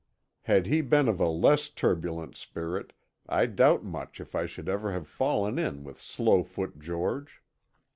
Had he been of a less turbulent spirit I doubt much if I should ever have fallen in with Slowfoot George.